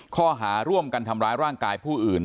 ข้อหาร่วมกันทำร้ายร่างกายผู้อื่น